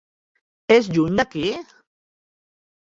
És lluny d'aquí?